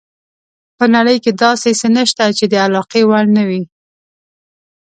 په نړۍ کې داسې څه نشته چې د علاقې وړ نه وي.